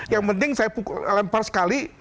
yang penting saya lempar sekali